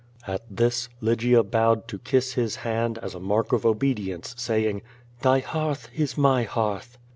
^' At this Lygia bowed to kiss his hand, as a mark of obedi ence, saying: "Thy hearth is my hearth."